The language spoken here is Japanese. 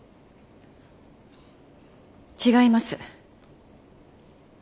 違います。